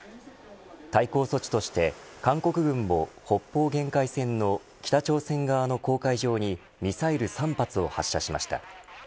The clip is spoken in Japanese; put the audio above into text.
対抗措置として韓国軍も北方限界線の北朝鮮側の公海上にミサイル３発を発射しました。